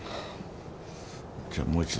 じゃあもう一度。